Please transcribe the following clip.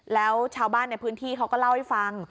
แล้วชาวบ้านในพื้นที่เขาก็เล่าให้ฟัง